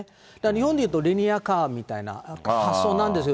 日本でいうと、リニアカーみたいな発想なんです。